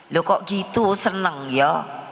lo kok gitu seneng ya